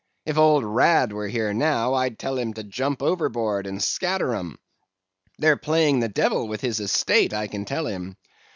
If old Rad were here now, I'd tell him to jump overboard and scatter 'em. They're playing the devil with his estate, I can tell him.